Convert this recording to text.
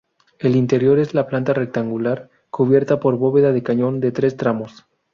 El interior es de planta rectangular, cubierta por bóveda de cañón de tres tramos.